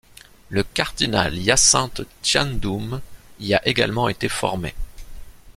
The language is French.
Le cardinal Hyacinthe Thiandoum y a également été formé.